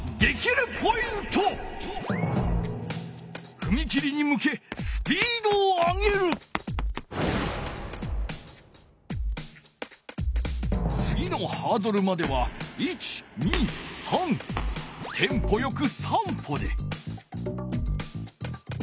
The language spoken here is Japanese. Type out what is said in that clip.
ふみ切りにむけつぎのハードルまではテンポよく３歩で。